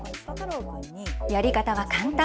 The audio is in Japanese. やり方は簡単。